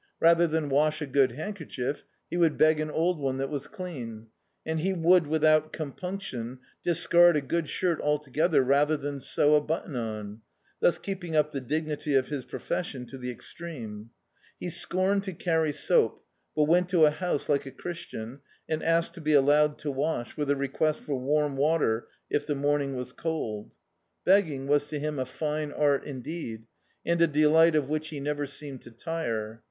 Rather than wash a good handkerchief he would beg an old one that was clean, and he would without compimction discard a good shirt altf^ether rather than sew a button on — thus keeping up the dignity of his pro fession to the extreme. He scorned to carry soap, but went to a house like a Christian, and asked to be alhmed to wash, with a request for warm water if the morning was cold. Bering was to him a fine art, indeed, and a delight of which he never seemed to tire.